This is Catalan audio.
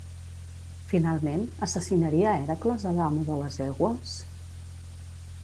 Finalment, assassinaria Hèracles a l'amo de les egües?